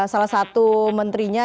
salah satu menterinya